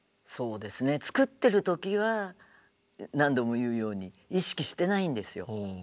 作ってる時は何度も言うように意識してないんですよ。